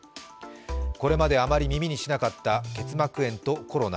これまであまり耳にしなかった結膜炎とコロナ。